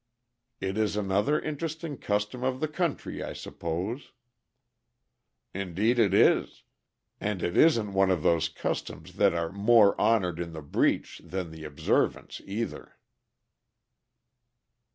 "It is another interesting custom of the country, I suppose." "Indeed it is; and it isn't one of those customs that are 'more honored in the breach than the observance,' either."